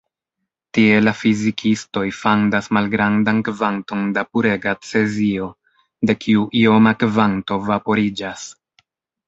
Tie la fizikistoj fandas malgrandan kvanton da purega cezio, de kiu ioma kvanto vaporiĝas.